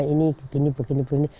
ini begini begini begini